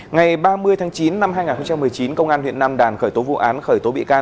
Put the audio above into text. ngày ba mươi tháng chín năm hai nghìn một mươi chín công an huyện nam đàn khởi tố vụ án khởi tố bị can